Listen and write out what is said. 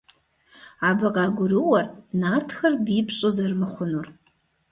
Абы къагурыӀуэрт нартхэр бий пщӀы зэрымыхъунур.